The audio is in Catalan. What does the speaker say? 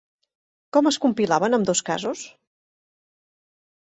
Com es compilava en ambdós casos?